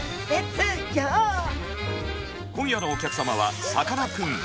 今夜のお客様はさかなクン。